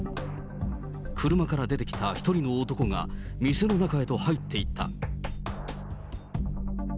車から出てきた１人の男が、店の中へと入っていった。